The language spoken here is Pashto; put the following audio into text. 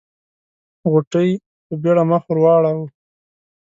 غوټۍ په بيړه مخ ور واړاوه.